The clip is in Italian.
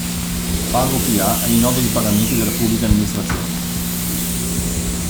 PagoPA è il nodo di pagamenti della Pubblica Amministrazione.